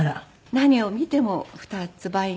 何を見ても２つ倍倍に。